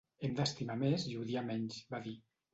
Hem d’estimar més i odiar menys, va dir.